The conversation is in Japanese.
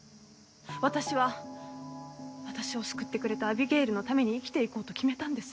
私は私を救ってくれたアビゲイルのために生きていこうと決めたんです。